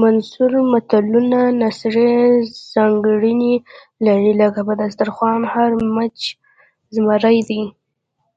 منثور متلونه نثري ځانګړنې لري لکه په دسترخوان هر مچ زمری دی